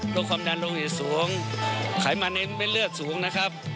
โรคความดันโรคหิตสูงไขมันเป็นเลือดสูงนะครับ